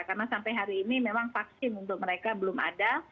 karena sampai hari ini memang vaksin untuk mereka belum ada